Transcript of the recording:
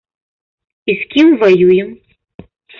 І з кім ваюем?